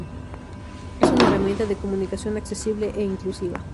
es una herramienta de comunicación accesible e inclusiva